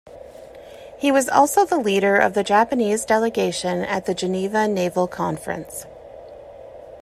He was also the leader of the Japanese delegation at the Geneva Naval Conference.